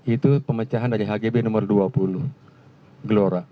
itu pemecahan dari hgb nomor dua puluh gelora